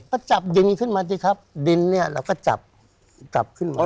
ก็จับดินขึ้นมาสิครับดินเนี่ยเราก็จับกลับขึ้นมา